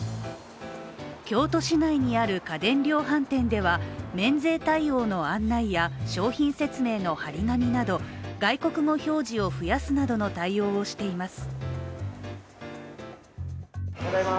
京都市内にある家電量販店では免税対応の案内や商品説明の貼り紙など外国語表示を増やすなどの対応をしています。